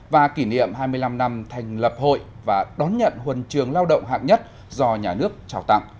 và kỷ niệm hai mươi năm năm thành lập hội và đón nhận huân trường lao động hạng nhất do nhà nước trao tặng